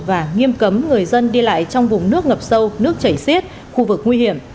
và nghiêm cấm người dân đi lại trong vùng nước ngập sâu nước chảy xiết khu vực nguy hiểm